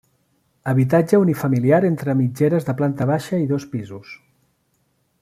Habitatge unifamiliar entre mitgeres de planta baixa i dos pisos.